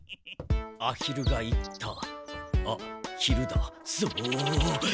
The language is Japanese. アヒルが言ったあっ昼だ。ぞっ！